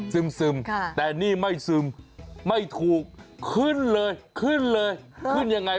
ชื่นอะไรกับมันถูกเล่น